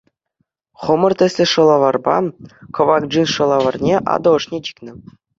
Хӑмӑр тӗслӗ шӑлаварпа, кӑвак джинс шӑлаварне атӑ ӑшне чикнӗ.